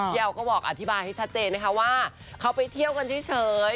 แอลก็บอกอธิบายให้ชัดเจนนะคะว่าเขาไปเที่ยวกันเฉย